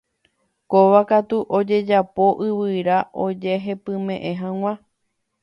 Kóva katu ojejapo yvyra ojehepymeʼẽ hag̃ua.